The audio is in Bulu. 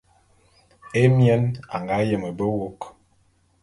Émien a nga yeme be wôk.